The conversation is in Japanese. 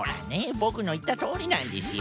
ボクのいったとおりなんですよ。